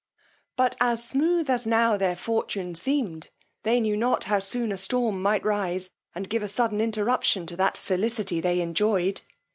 But as smooth as now their fortune seemed, they knew not how soon a storm might rise, and give a sudden interruption to that felicity they enjoyed.